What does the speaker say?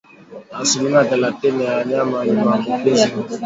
Asilimia thelathini ya wanyama wenye maambukizi hufa